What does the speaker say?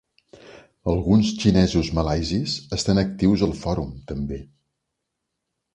Alguns xinesos malaisis estan actius al fòrum, també.